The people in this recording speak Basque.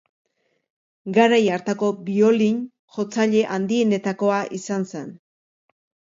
Garai hartako biolin-jotzaile handienetakoa izan zen.